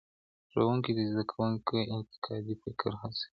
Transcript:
ښوونکی د زدهکوونکو انتقادي فکر هڅوي.